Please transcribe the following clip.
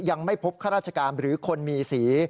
ยังไม่พบข้าราชการหรือคนมีสี